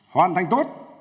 hoàn thành tốt